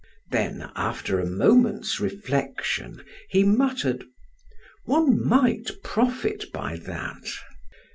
Then, after a moment's reflection, he muttered: "One might profit by that!"